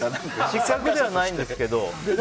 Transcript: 失格ではないんですけど。